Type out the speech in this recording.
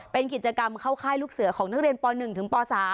เป็นกิจกรรมเข้าค่ายลูกเสือของนักเรียนป๑ถึงป๓